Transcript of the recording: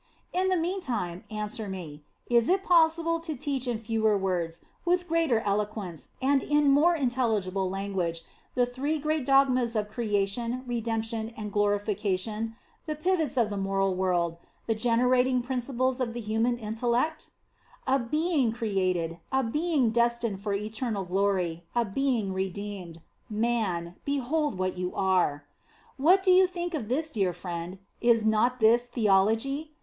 In the meantime, answer me Ts it pos sible to teach in fewer words, \\idi greater eloquence, and in more intelligible language, the three great dogmas of Creation, Redemp tion, and Glorification, the pivots of the moral In the Nineteenth Century. 8 1 world, the generating principles of the human intellect ? A being created, a being destined for eter nal glory, a being redeemed; man, behold what you are ! What do you think of this, dear friend is not this theology?